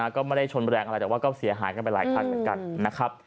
ก็ไม่ได้ชนแรงอะไรแต่ว่าก็เสียหายกันไปหลายคันเหมือนกันนะครับ